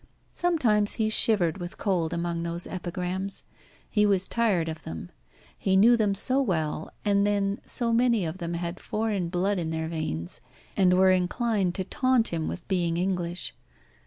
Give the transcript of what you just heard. Sometimes he shivered with cold among those epigrams. He was tired of them. He knew them so well, and then so many of them had foreign blood in their veins, and were inclined to taunt him with being English.